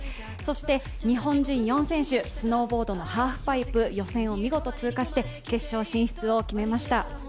そして日本人４選手、スノーボードのハーフパイプ予選を見事通過して決勝進出を決めました。